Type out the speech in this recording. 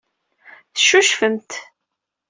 Teccucfemt.